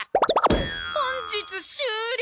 本日終了。